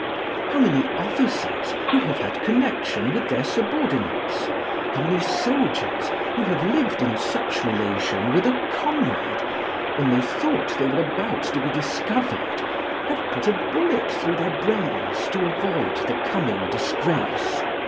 How many officers, who have had connection with their subordinates, how many soldiers, who have lived in such relation with a comrade, when they thought they were about to be discovered, have put a bullet through their brains to avoid the coming disgrace!